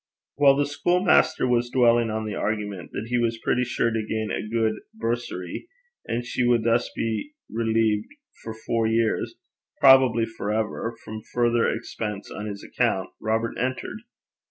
While the school master was dwelling on the argument that he was pretty sure to gain a good bursary, and she would thus be relieved for four years, probably for ever, from further expense on his account, Robert entered.